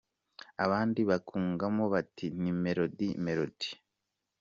Abandi bakungamo bati “Ni Melody, Melody….